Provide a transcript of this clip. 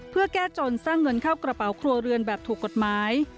เพื่อแก้จนสร้างเงินเข้ากระเป๋าครัวเรือนแบบถูกกฎหมาย